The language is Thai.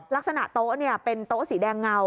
ลักษณะโต๊ะเป็นโต๊ะสีแดงเงา